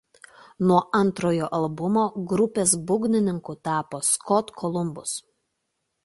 Nuo antrojo albumo grupės būgnininku tapo "Scott Columbus".